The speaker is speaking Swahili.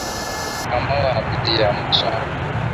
Kamau ana bidii ya mchwa